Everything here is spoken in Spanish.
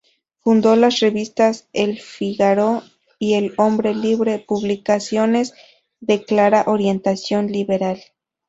Fundó las revistas 'El Fígaro' y El Hombre Libre', publicaciones de clara orientación liberal.